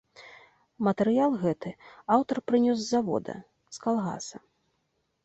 Матэрыял гэты аўтар прынёс з завода, з калгаса.